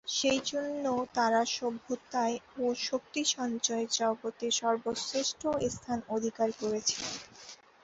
সেইজন্য তারা সভ্যতায় ও শক্তি-সঞ্চয়ে জগতে সর্বশ্রেষ্ঠ স্থান অধিকার করেছে।